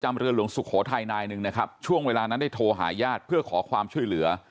เรือหลวงสุโขทัยนายหนึ่งนะครับช่วงเวลานั้นได้โทรหาญาติเพื่อขอความช่วยเหลือ